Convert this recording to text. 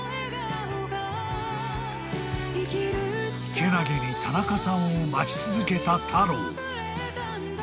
［けなげに田中さんを待ち続けたタロー］